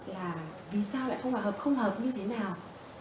là vì sao lại không hòa hợp không hợp như thế nào